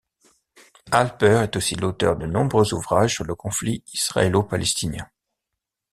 Halper est aussi l'auteur de nombreux ouvrages sur le Conflit israélo-palestinien.